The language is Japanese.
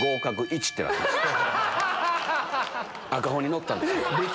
赤本に載ったんです。